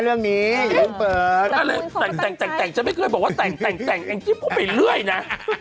เพราะมั้งเขาก็ไม่ค่อยได้เปิดตัวเลยนะ